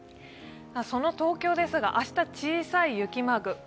その東京ですが、明日小さい雪マーク。